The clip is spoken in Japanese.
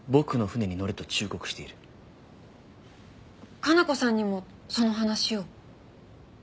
加奈子さんにもその話を？